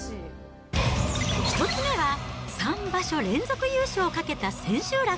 １つ目は、３場所連続優勝をかけた千秋楽。